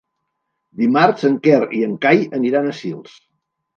Dimarts en Quer i en Cai aniran a Sils.